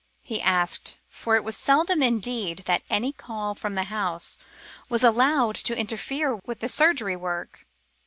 he asked, for it was seldom indeed that any call from the house was allowed to interfere with the surgery work.